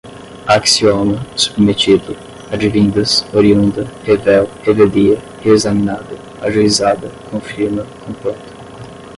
axioma, submetido, advindas, oriunda, revel, revelia, reexaminada, ajuizada, confirma, completa